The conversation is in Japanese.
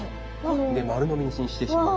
で丸のみにしてしまう。